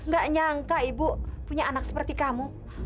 gak nyangka ibu punya anak seperti kamu